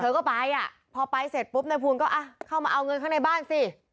ก็ไปอ่ะพอไปเสร็จปุ๊บนายภูลก็อ่ะเข้ามาเอาเงินข้างในบ้านสิ